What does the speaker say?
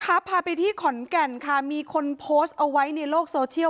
พาไปที่ขอนแก่นค่ะมีคนโพสต์เอาไว้ในโลกโซเชียล